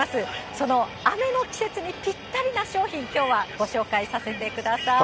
その雨の季節にぴったりな商品、きょうはご紹介させてください。